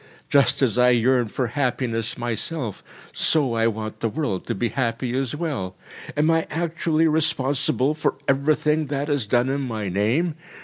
Just as I yearn for happiness myself, so I want the world to be happy as well. Am I actually responsible for everything that is done in my name?